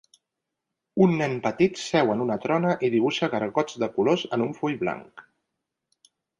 Un nen petit seu en una trona i dibuixa gargots de colors en un full blanc.